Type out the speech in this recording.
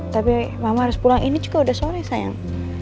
tapi mama harus pulang ini juga udah sore sayang